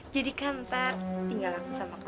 jadi kan nanti tinggalkan aku sama kamu dulu